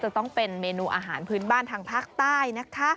ต้องเป็นเมนูอาหารพื้นบ้านทางภาคใต้นะคะ